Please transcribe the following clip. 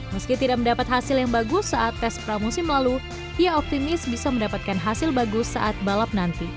meski tidak mendapat hasil yang bagus saat tes pramusim lalu ia optimis bisa mendapatkan hasil bagus saat balap nanti